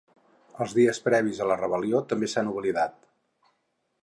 Els dies previs a la rebel·lió també s'han oblidat.